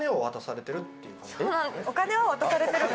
お金は渡されてるの？